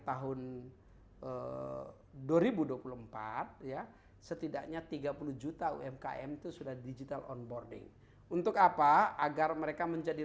tahun dua ribu dua puluh empat ya setidaknya tiga puluh juta umkm itu sudah digital onboarding untuk apa agar mereka menjadi